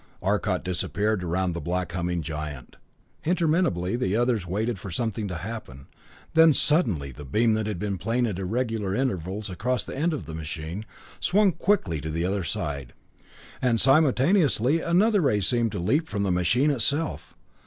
Arcot disappeared around the black humming giant. Interminably the others waited for something to happen; then suddenly the beam that had been playing at irregular intervals across the end of the machine, swung quickly to the other side; and simultaneously another ray seemed to leap from the machine itself.